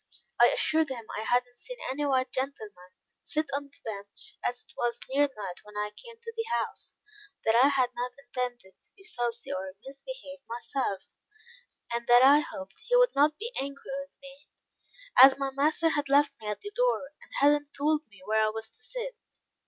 I assured him I had not seen any white gentleman sit on the bench, as it was near night when I came to the house; that I had not intended to be saucy, or misbehave myself; and that I hoped he would not be angry with me, as my master had left me at the door, and had not told me where I was to sit.